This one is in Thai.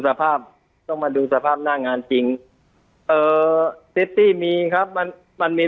สภาพต้องมาดูสภาพหน้างานจริงเอ่อซิตตี้มีครับมันมันมี